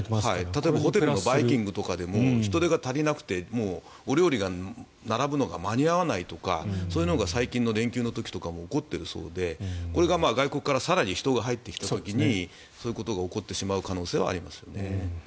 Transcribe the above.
例えばホテルのバイキングとかでも人手が足りなくてお料理が並ぶのが間に合わないとかそういうのが最近の連休の時とかも起こっているそうでこれが外国から更に人が入ってきた時にそういうことが起こってしまう可能性はありますよね。